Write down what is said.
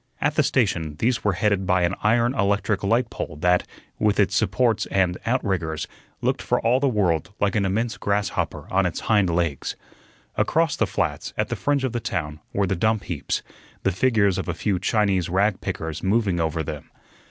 At the station these were headed by an iron electric light pole that, with its supports and outriggers, looked for all the world like an immense grasshopper on its hind legs. Across the flats, at the fringe of the town, were the dump heaps, the figures of a few Chinese rag pickers moving over them.